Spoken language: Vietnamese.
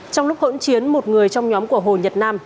trong lúc hỗn chiến một người trong nhóm của hồ nhật nam